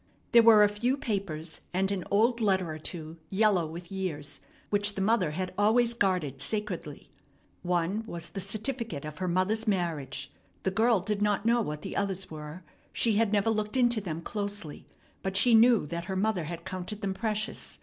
There were a few papers and an old letter or two yellow with years, which the mother had always guarded sacredly. One was the certificate of her mother's marriage. The girl did not know what the others were. She had never looked into them closely, but she knew that her mother had counted them precious.